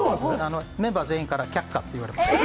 メンバー全員から却下って言われました。